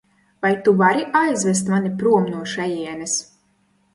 Vai tu vari aizvest mani prom no šejienes?